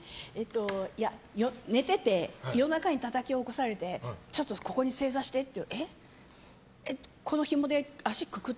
いや、寝てて夜中にたたき起こされてちょっとここに正座してって。